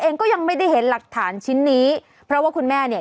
เองก็ยังไม่ได้เห็นหลักฐานชิ้นนี้เพราะว่าคุณแม่เนี่ย